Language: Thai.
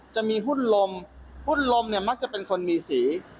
จะมีหุ้นลมหุ้นลมเนี่ยมักจะเป็นคนมีสี